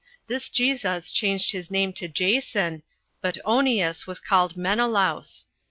This Jesus changed his name to Jason, but Onias was called Menelaus.